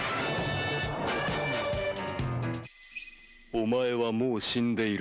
お前はもう死んでいる。